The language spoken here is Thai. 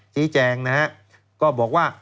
ชี้แจ่งนะครับก็บอกว่า